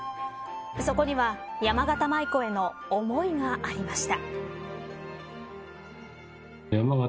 そこには、やまがた舞子への思いがありました。